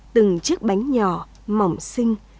từng chiếc bánh nhỏ mỏng xinh